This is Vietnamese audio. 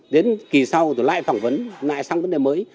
đến kỳ sau rồi lại phỏng vấn lại sang vấn đề mới